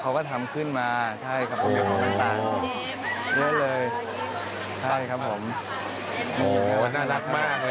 เขาก็ทำขึ้นมาใช่ครับ